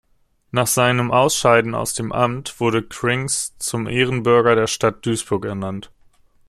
Nach seinem Ausscheiden aus dem Amt wurde Krings zum Ehrenbürger der Stadt Duisburg ernannt.